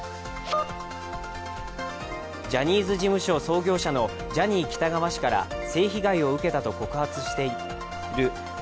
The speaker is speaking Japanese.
ジャニーズ事務所創業者のジャニー喜多川氏から性被害を受けたと告発している元